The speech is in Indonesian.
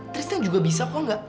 tristan juga bisa kok